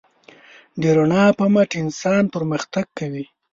د رڼا په مټ انسان پرمختګ کوي.